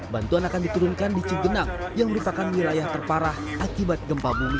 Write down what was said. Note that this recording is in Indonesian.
bantuan akan diturunkan di cigenang yang merupakan wilayah terparah akibat gempa bumi